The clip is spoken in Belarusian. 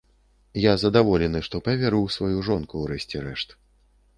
Я задаволены, што паверыў у сваю жонку, у рэшце рэшт.